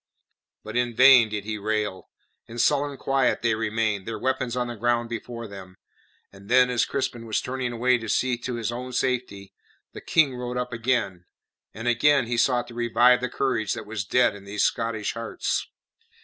But in vain did he rail. In sullen quiet they remained, their weapons on the ground before them. And then, as Crispin was turning away to see to his own safety, the King rode up again, and again he sought to revive the courage that was dead in those Scottish hearts.